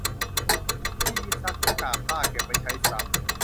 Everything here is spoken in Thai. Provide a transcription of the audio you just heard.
วิธีซักหน้ากากผ้า เก็บไว้ใช้ซ้ำ